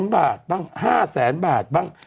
บาท๗๐๐๐๐๐นะบ้าง๕๐๐๐๐๐บาทบ้าง